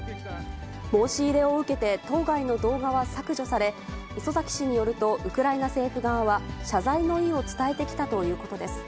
申し入れを受けて、当該の動画は削除され、磯崎氏によると、ウクライナ政府側は、謝罪の意を伝えてきたということです。